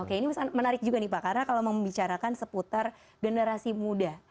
oke ini menarik juga nih pak karena kalau membicarakan seputar generasi muda